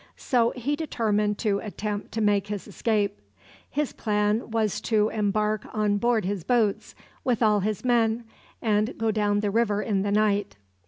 So he determined to attempt to make his escape. His plan was to embark on board his boats, with all his men, and go down the river in the night.